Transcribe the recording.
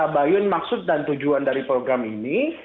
bayun maksud dan tujuan dari program ini